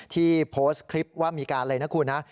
ที่โพสต์คลิปว่ามีการอะไรนะคุณนะ